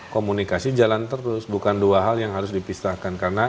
komunikasi jalan terus bukan dua hal yang harus dipisahkan karena